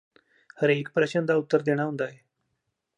ਹਰੇਕ ਪ੍ਰਸ਼ਨ ਦਾ ਉ¤ਤਰ ਦੇਣਾ ਹੁੰਦਾ ਏ